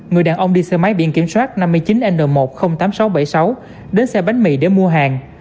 người đàn ông đi xe máy biển kiểm soát năm mươi chín n một trăm linh tám nghìn sáu trăm bảy mươi sáu đến xe bánh mì để mua hàng